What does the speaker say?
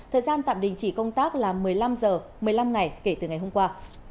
thời gian tạm đình chỉ công tác là một mươi năm h một mươi năm ngày kể từ ngày hôm qua